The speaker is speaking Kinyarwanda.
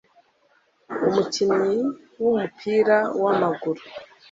Umukinnyi wumupira wamaguru